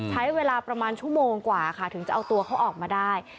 ใช้เวลาประมาณชั่วโมงกว่าค่ะถึงจะเอาตัวเขาออกมาได้